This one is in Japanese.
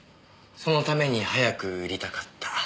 そのために早く売りたかった。